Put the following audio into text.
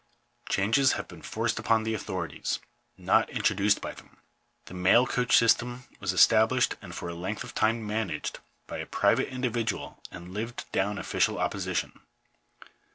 Changes have been forced upon the authorities, not introduced by them. The mail coach system was esta blished, and for a length of time managed, by a private indi vidual, and lived down official opposition.